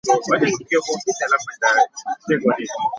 Mulondo yasanyukidde omusomo guno